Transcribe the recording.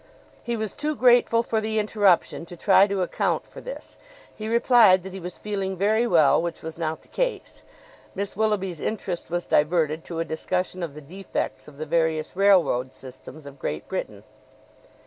He was too grateful for the interruption to try to account for this. He replied that he was feeling very well, which was not the case. Miss Willoughby's interest was diverted to a discussion of the defects of the various railroad systems of Great Britain.